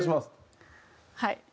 はい。